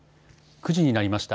９時になりました。